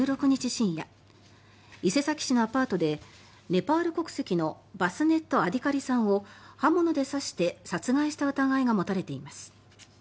深夜伊勢崎市のアパートでネパール国籍のバスネット・アディカリさんを刃物で刺して殺害した疑いが持たれています。